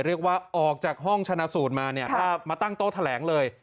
เรียกว่าออกจากห้องชนะสูตรมามาตั้งโต๊ะแถลงเลย